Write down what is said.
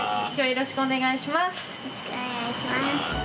よろしくお願いします。